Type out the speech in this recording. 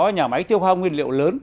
nhà máy tiêu hoa nguyên liệu lớn